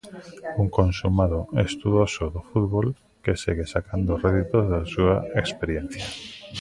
Un consumado estudoso do fútbol, que segue sacando réditos da súa experiencia.